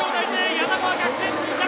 柳川逆転、２着。